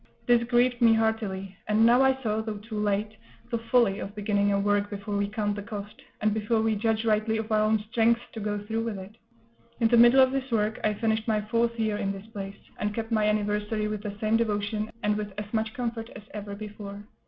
This grieved me heartily; and now I saw, though too late, the folly of beginning a work before we count the cost, and before we judge rightly of our own strength to go through with it. In the middle of this work I finished my fourth year in this place, and kept my anniversary with the same devotion, and with as much comfort as ever before.